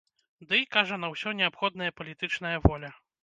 Дый, кажа, на ўсё неабходная палітычная воля.